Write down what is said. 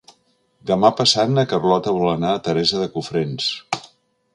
Demà passat na Carlota vol anar a Teresa de Cofrents.